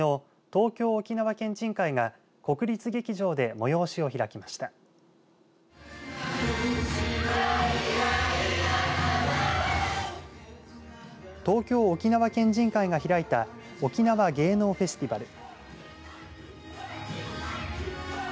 東京沖縄県人会が開いた沖縄芸能フェスティバル。